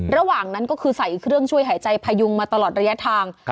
ระหว่างนั้นก็คือใส่เครื่องช่วยหายใจพยุงมาตลอดระยะทาง